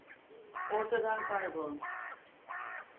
Ortadan kaybolmuştu.